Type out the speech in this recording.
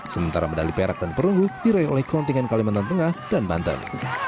sementara medali perak dan perunggu diraih oleh kontingen kalimantan tengah dan banten